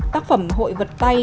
tác phẩm hội vật tây